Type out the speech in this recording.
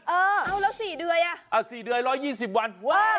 เออเอาแล้ว๔เดือยอ่ะอ่า๔เดือย๑๒๐วันว้าว